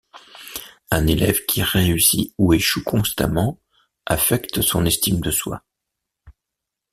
Un élève qui réussit ou échoue constamment affecte son estime de soi.